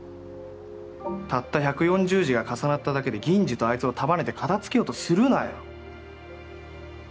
たった１４０字が重なっただけでギンジとあいつを束ねて片づけようとするなよ。